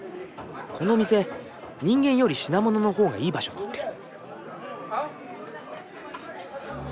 このお店人間より品物の方がいい場所とってる。